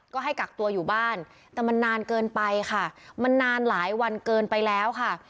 ก็ให้กักตัวอยู่บ้านแต่มันนานเกินไปค่ะมันนานหลายวันเกินไปแล้วค่ะ